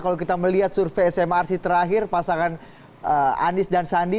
kalau kita melihat survei smrc terakhir pasangan anies dan sandi